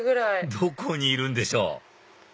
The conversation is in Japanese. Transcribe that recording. どこにいるんでしょう？